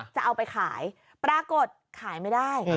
จะเอาไปขายปรากฏขายไม่ได้